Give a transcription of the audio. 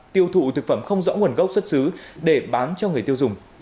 tiêu thụ thực phẩm không rõ nguồn gốc xuất xứ để bán cho người tiêu dùng